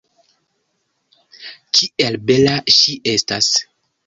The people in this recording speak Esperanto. Kiel bela ŝi estas!